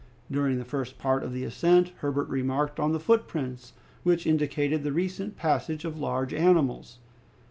During the first part of the ascent, Herbert remarked on the footprints which indicated the recent passage of large animals.